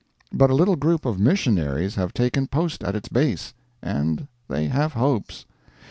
But a little group of missionaries have taken post at its base, and they have hopes.